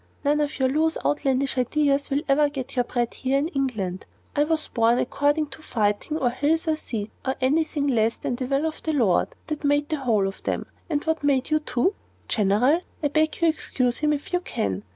None of your loose outlandish ideas will ever get your bread in England. Was I born according to fighting, or hills, or sea, or any thing less than the will of the Lord, that made the whole of them, and made you too? General, I beg you to excuse him, if you can.